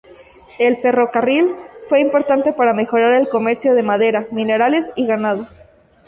El ferrocarril fue importante para mejorar el comercio de madera, minerales y ganado.